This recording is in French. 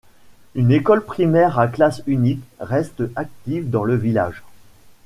Une école primaire à classe unique reste active dans le village.